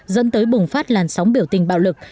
dẫn tới bùng phát làn sóng biểu tình bạo lực